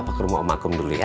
bapak ke rumah om akum dulu ya